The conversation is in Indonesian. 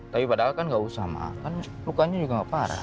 tapi padahal kan gak usah mama kan lukanya juga gak parah